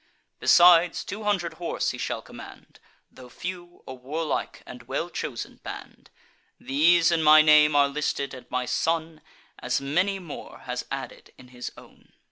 Besides, two hundred horse he shall command; Tho' few, a warlike and well chosen band. These in my name are listed; and my son As many more has added in his own."